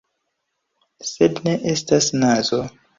Sed ne estas nazo.